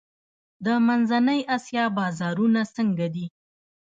د منځنۍ اسیا بازارونه څنګه دي؟